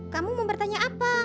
kamu mau bertanya apa